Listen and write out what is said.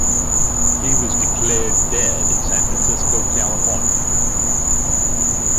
He was declared dead in San Francisco, California.